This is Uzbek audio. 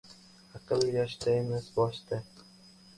• Aql yoshda emas, boshda.